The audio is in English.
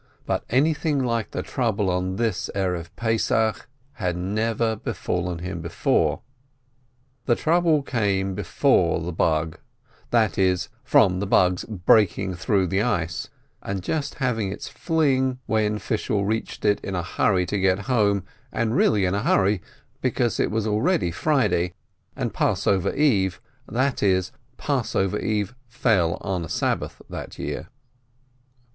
But anything like the trouble on this Passover Eve had never befallen him before. The trouble came from the Bug, that is, from the Bug's breaking through the ice, and just having its fling when Fishel reached it in a hurry to get home, and really in a hurry, because it was already Friday and Passover Eve, that is, Passover eve fell on a Sab bath that year.